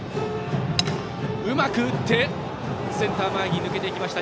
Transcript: うまく打ってセンター前に抜けていきました。